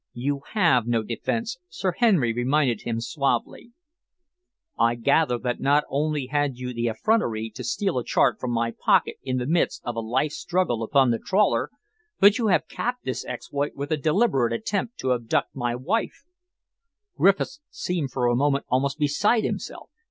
"You have no defence," Sir Henry reminded him suavely. "I gather that not only had you the effrontery to steal a chart from my pocket in the midst of a life struggle upon the trawler, but you have capped this exploit with a deliberate attempt to abduct my wife." Griffiths seemed for a moment almost beside himself.